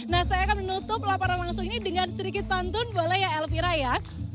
nah saya akan menutup laporan langsung ini dengan sedikit pantun boleh ya elvira ya